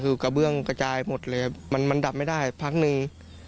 คือกระเบื้องกระจายหมดเลยมันดับไม่ได้พักหนึ่ง